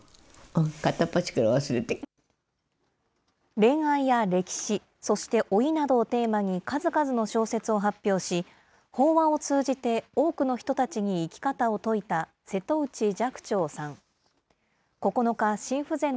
恋愛や歴史、そして老いなどをテーマに、数々の小説を発表し、法話を通じて多くの人たちに生き方を説いた瀬戸内寂聴さん。